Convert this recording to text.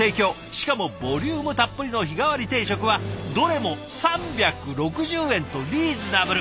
しかもボリュームたっぷりの日替わり定食はどれも３６０円とリーズナブル。